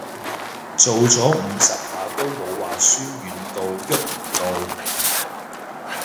做咗五十下都冇話痠軟到郁唔到